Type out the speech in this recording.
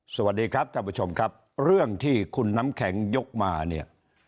สวัสดีครับท่านผู้ชมครับเรื่องที่คุณน้ำแข็งยกมาเนี่ย